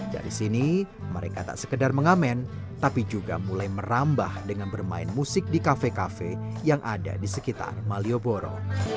dari sini mereka tak sekedar mengamen tapi juga mulai merambah dengan bermain musik di kafe kafe yang ada di sekitar malioboro